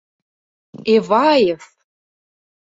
— Эваев!..